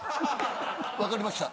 わかりました。